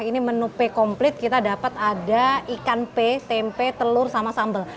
ini menu pe komplit kita dapat ada ikan pe tempe telur sama sambel